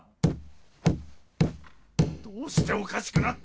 ・どうしておかしくなった！